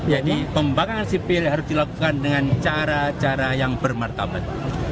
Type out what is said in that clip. jadi pembangkang sipil harus dilakukan dengan cara cara yang ber markabat